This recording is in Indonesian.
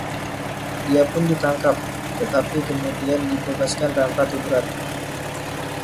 Dia pun ditangkap, tetapi kemudian dibebaskan tanpa tuduhan.